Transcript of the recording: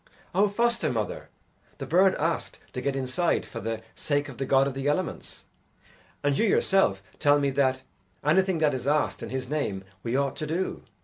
"O foster mother, the bird asked to get inside for the sake of the God of the Elements, and you yourself tell me that anything that is asked in His name we ought to do.